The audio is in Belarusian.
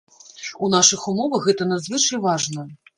У нашых умовах гэта надзвычай важна.